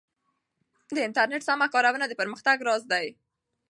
د انټرنیټ سمه کارونه د پرمختګ راز دی.